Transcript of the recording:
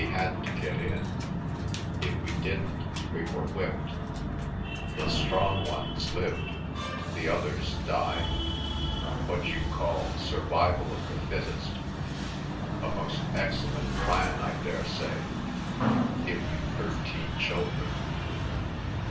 We had to get in; if we didn't, we were whipped. The strong ones lived—the others died. What you call survival of the fittest—a most excellent plan, I daresay, if you've thirteen children!"